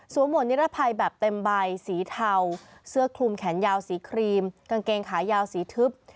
หมวดนิรภัยแบบเต็มใบสีเทาเสื้อคลุมแขนยาวสีครีมกางเกงขายาวสีทึบ